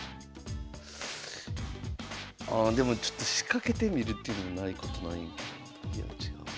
ああでもちょっと仕掛けてみるっていうのもないことないんか。